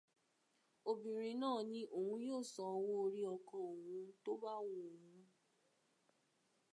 Obìnrin náà ní òun yóò san owó orí ọkọ òun tó bá wu òun